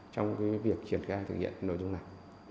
trong việc triển khai thực hiện nội dung này